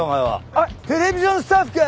あっテレビジョンスタッフか？